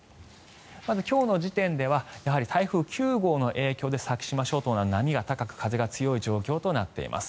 まず今日の時点では台風９号の影響で、先島諸島など波が高く風が強い状況となっています。